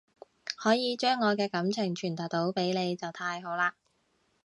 可以將我嘅感情傳達到俾你就太好喇